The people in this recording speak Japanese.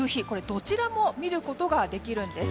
どちらも見ることができるんです。